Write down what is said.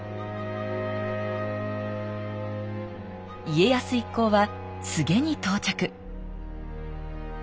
家康一行は柘植に到着